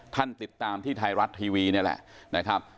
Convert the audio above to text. ท่านติดตามที่ไทยรัฐทีวีนี่แหละนะครับ